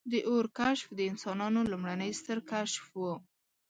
• د اور کشف د انسانانو لومړنی ستر کشف و.